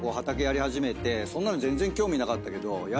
そんなの全然興味なかったけど。